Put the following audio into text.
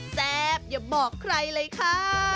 แซ่บอย่าบอกใครเลยค่ะ